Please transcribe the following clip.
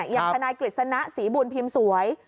อย่างทนายกฤษณะศรีบุญพิมพ์สวย